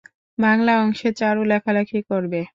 বাংলা অংশে চারু লেখালেখি করবে।